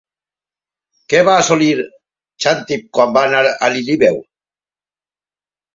Què va assolir Xàntip quan va anar a Lilibeu?